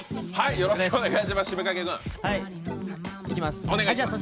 よろしくお願いします